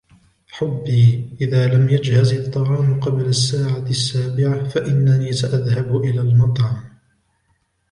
حُبي ، إذا لم يجهز الطعام قبل الساعة السابعة ، فإنني سأذهب إلى المطعم.